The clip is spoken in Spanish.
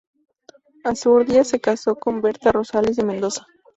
Azurdia se casó con Berta Rosales de Mendoza.